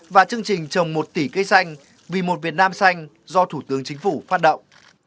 và chương trình trồng một tỷ cây xanh vì một việt nam xanh do thủ tướng chính phủ phát động